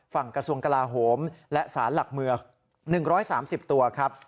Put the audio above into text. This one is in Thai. กระทรวงกลาโหมและสารหลักเมือง๑๓๐ตัวครับ